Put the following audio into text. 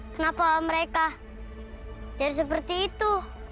kenapa mereka jadi seperti itu